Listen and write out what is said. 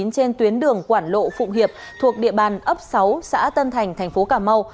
trên tuyến đường quản lộ phụ hiệp thuộc địa bàn ấp sáu xã tân thành thành phố cà mau